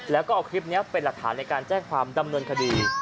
แล้วก็เอาคลิปนี้เป็นหลักฐานในการแจ้งความดำเนินคดี